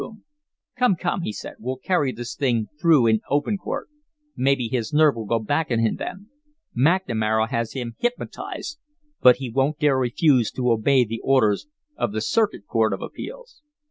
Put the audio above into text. "Come, come," he said, "we'll carry this thing through in open court. Maybe his nerve will go back on him then. McNamara has him hypnotized, but he won't dare refuse to obey the orders of the Circuit Court of Appeals."